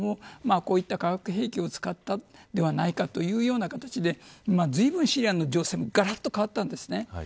こういった化学兵器を使ったのではないかというような形でずいぶんシリアの情勢もがらっと変わったんです。